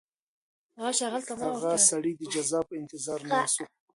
هغه سړی د جزا په انتظار ناست و.